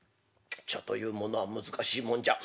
茶というものは難しいもんじゃ。